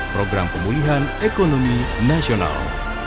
program pemulihan ekonomi nasional